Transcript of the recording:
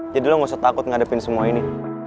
jadi lo gak usah takut ngadepin semua ini